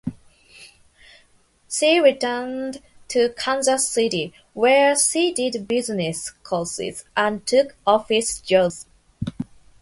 She returned to Kansas city where she did business courses and took office jobs.